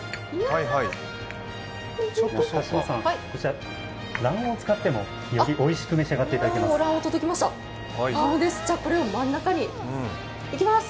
こちら卵黄使ってもよりおいしく召し上がっていただけます。